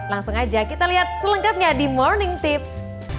langsung aja kita lihat selengkapnya di morning tips